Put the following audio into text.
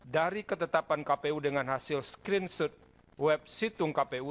dari ketetapan kpu dengan hasil screenshot web situng kpu